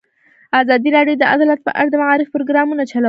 ازادي راډیو د عدالت په اړه د معارفې پروګرامونه چلولي.